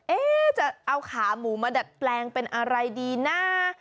จะเอาขาหมูมาดัดแปลงเป็นอะไรดีนะ